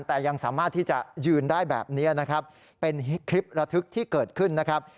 แต่ยังสามารถที่จะยืนได้แบบนี้นะครับเป็นคลิประทึกที่เกิดขึ้นนะครับ